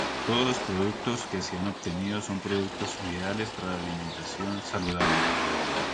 Todos productos que se han obtenido son productos ideales para la alimentación saludable.